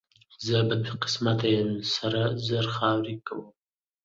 زه بدقسمته یم، سره زر خاورې کوم.